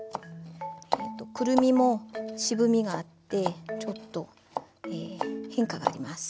クルミも渋みがあってちょっと変化があります。